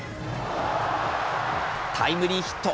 タイムリーヒット。